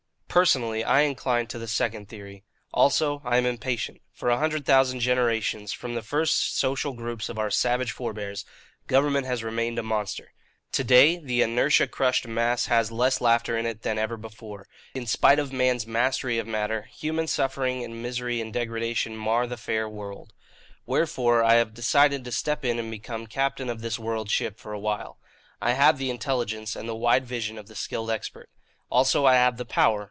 "Personally, I incline to the second theory. Also, I am impatient. For a hundred thousand generations, from the first social groups of our savage forbears, government has remained a monster. To day, the inertia crushed mass has less laughter in it than ever before. In spite of man's mastery of matter, human suffering and misery and degradation mar the fair world. "Wherefore I have decided to step in and become captain of this world ship for a while. I have the intelligence and the wide vision of the skilled expert. Also, I have the power.